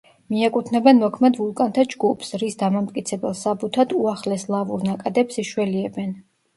მიაკუთვნებენ მოქმედ ვულკანთა ჯგუფს, რის დამამტკიცებელ საბუთად უახლეს ლავურ ნაკადებს იშველიებენ.